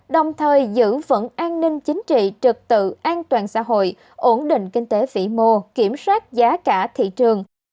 đồng thời giữ vững an ninh chính trị trực tự an toàn xã hội ổn định kinh tế vĩ mô kiểm soát giá cả thị trường